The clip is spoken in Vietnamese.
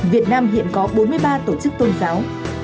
việt nam hiện có bốn mươi ba tổ chức tôn giáo